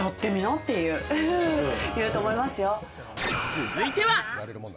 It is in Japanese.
続いては。